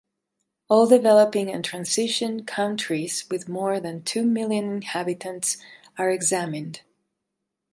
All developing and transition countries with more than two million inhabitants are examined.